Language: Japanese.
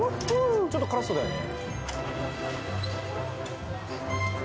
ちょっと辛そうだよね